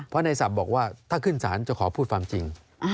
เพราะในศัพท์บอกว่าถ้าขึ้นศาลจะขอพูดความจริง